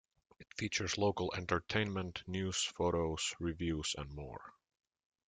It features local entertainment, news, photos, reviews and more.